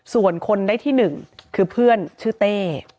ส่วนคนได้ที่๑คือเพื่อนชื่อเต้